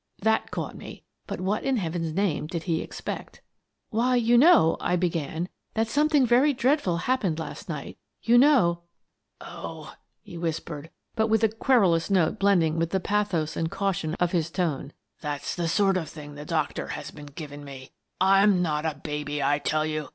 " That caught me. But what, in Heaven's name, did he expect ? "Why, you know," I began, "that something very dreadful happened last night. You know —"" Oh," he whispered, but with a querulous note "Who Killed My Son?" 127 blending with the pathos and caution of his tone, " that's the sort of thing the doctor has been giv ing me! I'm not a baby, I tell you!